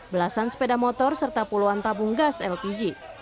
belasan sepeda motor serta puluhan tabung gas lpg